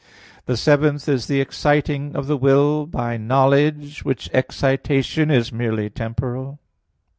The seventh is the exciting of the will by knowledge, which excitation is merely temporal.